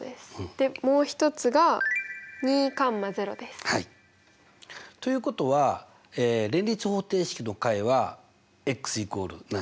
でもう一つがです。ということは連立方程式の解は＝何？